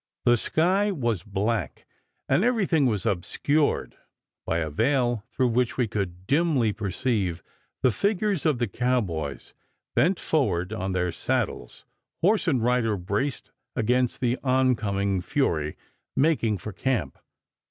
The sky was black and everything was obscured by a veil through which we could dimly perceive the figures of the cowboys bent forward on their saddles, horse and rider braced against the oncoming fury, making for camp.